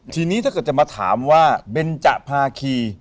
ทีนี้ถ้าเกิดจะมาถามว่าเบนจะภาคี